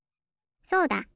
そうだ！